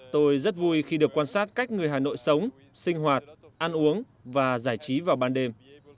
tôi rất vui khi được quan sát cách người hà nội sống sinh hoạt ăn uống và giải trí vào ban đêm